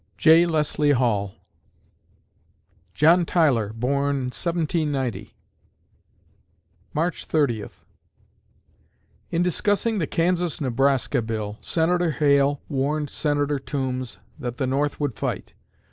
J. LESSLIE HALL John Tyler born, 1790 March Thirtieth In discussing the Kansas Nebraska Bill, Senator Hale warned Senator Toombs that the North would fight.